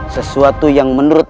sesuatu yang menurut